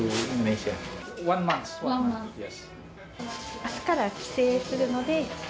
あすから帰省するので。